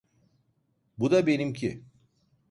Bu da benimki.